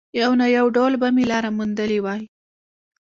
يو نه يو ډول به مې لاره موندلې وای.